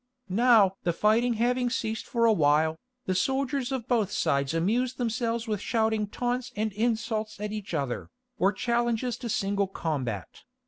Now the fighting having ceased for a while, the soldiers of both sides amused themselves with shouting taunts and insults at each other, or challenges to single combat.